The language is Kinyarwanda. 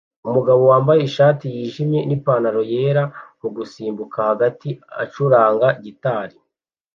Umugabo wambaye ishati yijimye nipantaro yera mugusimbuka hagati acuranga gitari